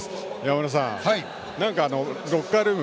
山村さん、なんかロッカールーム